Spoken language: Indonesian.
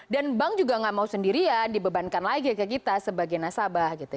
dan bank juga nggak mau sendirian dibebankan lagi ke kita sebagai nasabah gitu